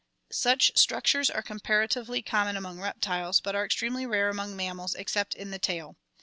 Such structures are comparatively common among reptiles, but are extremely rare among mammals except in the tail.